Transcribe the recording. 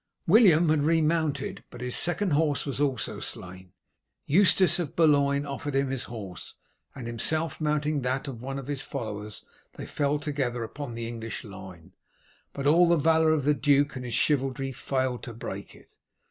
William had remounted, but his second horse was also slain. Eustace of Boulogne offered him his horse, and himself mounting that of one of his followers they fell together upon the English line, but all the valour of the duke and his chivalry failed to break it.